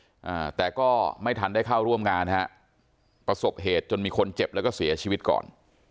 อ่าแต่ก็ไม่ทันได้เข้าร่วมงานฮะประสบเหตุจนมีคนเจ็บแล้วก็เสียชีวิตก่อน